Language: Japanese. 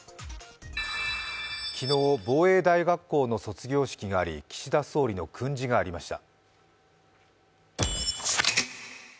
昨日、防衛大学校の卒業式があり、岸田総理の訓示がありました。